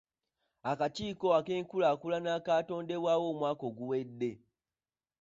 Akakiiko ak'awamu ak'enkulaakulana kaatondebwawo omwaka oguwedde.